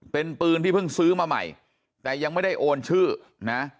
เป็นปืนที่เพิ่งซื้อมาใหม่แต่ยังไม่ได้โอนชื่อนะ